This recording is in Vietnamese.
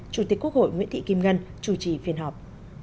chủ tịch quốc hội nguyễn thị kim ngân chủ trì phiên họp